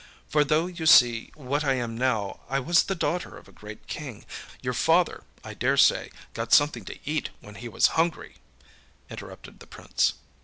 For though you see what I am now, I was the daughter of a great king. My father â âYour father, I dare say, got something to eat when he was hungry!â interrupted the Prince.